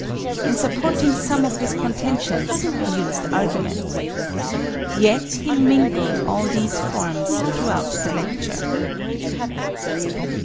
In supporting some of his contentions he used argument. Yet he mingled all these forms throughout the lecture.